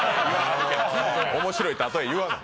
面白いたとえ言わない。